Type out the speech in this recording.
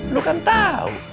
lu kan tau